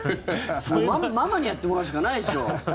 ママにやってもらうしかないでしょ。